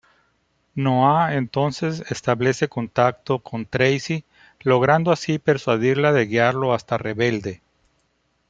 Noah entonces establece contacto con Tracy, logrando así persuadirla de guiarlo hasta Rebelde.